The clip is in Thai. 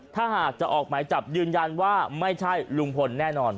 ถ้าหากจะออกหมายจับยืนยันว่าไม่ใช่ลุงพลแน่นอน